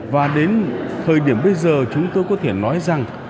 và đến thời điểm bây giờ chúng tôi có thể nói rằng